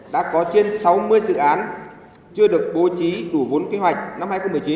đã có trên sáu mươi dự án chưa được bố trí đủ vốn kế hoạch năm hai nghìn một mươi chín